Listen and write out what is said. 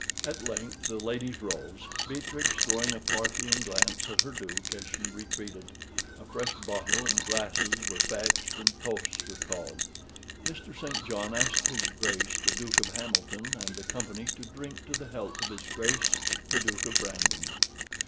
At length the ladies rose, Beatrix throwing a Parthian glance at her duke as she retreated; a fresh bottle and glasses were fetched, and toasts were called. Mr. St. John asked his Grace the Duke of Hamilton and the company to drink to the health of his Grace the Duke of Brandon.